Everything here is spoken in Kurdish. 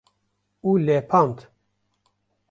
û lepand